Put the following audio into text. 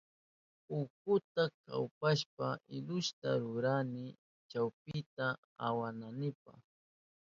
Utkuta kawpushpa iluta rurani chumpita awanaynipa.